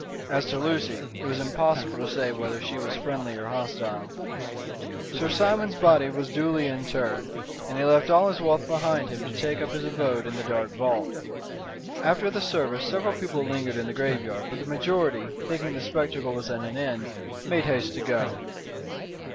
As to Lucy, it was impossible to say whether she was friendly or hostile. Sir Simon's body was duly interred, and he left all his wealth behind him to take up his abode in the dark vault. After the service several people lingered in the graveyard, but the majority, thinking the spectacle was at an end, made haste to go.